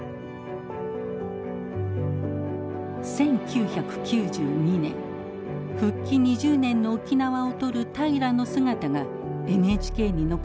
１９９２年復帰２０年の沖縄を撮る平良の姿がＮＨＫに残されています。